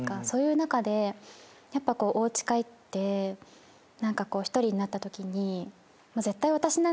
そういう中でやっぱこうお家帰って何かこう１人になった時に。